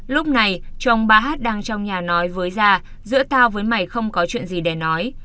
lúc này chồng bà h đang trong nhà nói với da giữa tao với mày không có chuyện gì để nói